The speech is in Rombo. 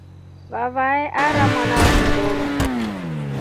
Vavae aatra mwana wa kisero.